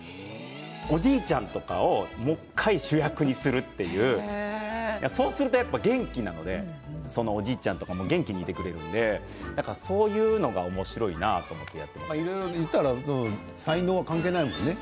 おじいちゃんとかをもう１回主役にするというそうするとやっぱり元気なのでそのおじいちゃんとかも元気でいてくれるのでそういうのがおもしろいなと言ったら才能は関係ないよね。